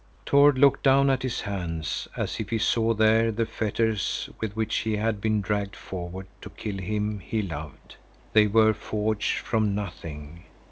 Tord looked down at his hands as if he saw there the fetters with which he had been dragged forward to kill him he loved. They were forged from nothing.